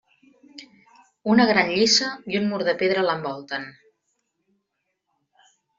Una gran lliça i un mur de pedra l'envolten.